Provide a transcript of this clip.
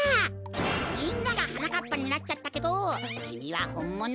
みんながはなかっぱになっちゃったけどきみはほんもの？